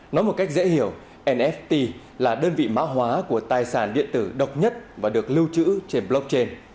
nói một cách dễ hiểu nft là đơn vị mã hóa của tài sản điện tử độc nhất và được lưu trữ trên blockchain